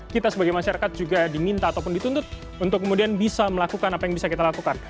kita sebagai masyarakat juga diminta ataupun dituntut untuk kemudian bisa melakukan apa yang bisa kita lakukan